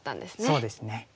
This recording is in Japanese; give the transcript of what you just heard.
そうですね。